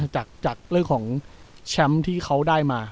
จากเรื่องของแชมป์ที่เขาได้มา